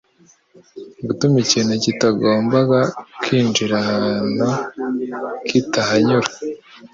gutuma ikintu kitagombaga kwinjira ahantu kihanyura